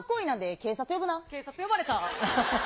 警察呼ばれた。